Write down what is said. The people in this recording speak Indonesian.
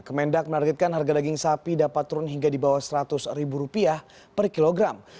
kemendak menargetkan harga daging sapi dapat turun hingga di bawah rp seratus per kilogram